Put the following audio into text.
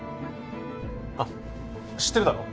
あっ知ってるだろ？